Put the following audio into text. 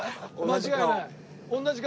間違いない。